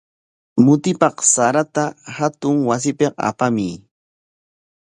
Mutipaq sarata hatun wasipik apamuy.